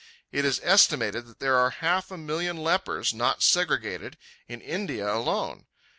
It is estimated that there are half a million lepers, not segregated, in India alone.